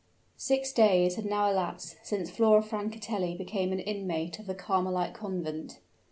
Six days had now elapsed since Flora Francatelli became an inmate of the Carmelite Convent.